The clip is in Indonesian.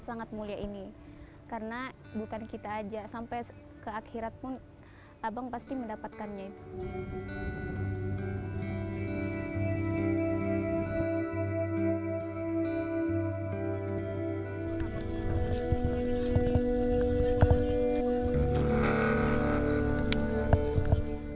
sangat mulia ini karena bukan kita aja sampai ke akhirat pun abang pasti mendapatkannya itu